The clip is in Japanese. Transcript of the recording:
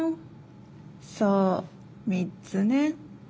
そう３つね。